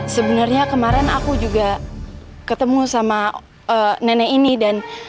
sebenarnya kemarin aku juga ketemu sama nenek ini dan